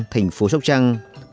thành phố sóc trăng